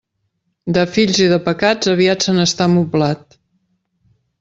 De fills i de pecats, aviat se n'està moblat.